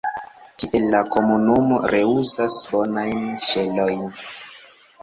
Tiel, la komunumo reuzas bonajn ŝelojn.